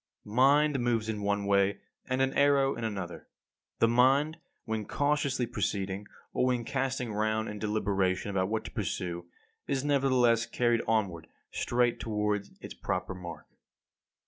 60. Mind moves in one way, and an arrow in another. The mind, when cautiously proceeding, or when casting round in deliberation about what to pursue, is nevertheless carried onward straight toward its proper mark.